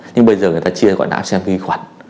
nhưng bây giờ người ta chia gọi là áp xe gan vi khuẩn